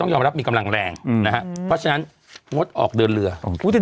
ยอมรับมีกำลังแรงนะฮะเพราะฉะนั้นงดออกเดินเรือ